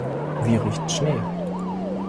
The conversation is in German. Wie riecht Schnee?